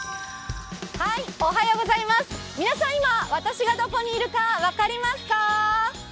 皆さん、今、私がどこにいるか分かりますか？